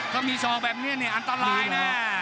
ถ้ามีศอกแบบนี้เนี่ยอันตรายแน่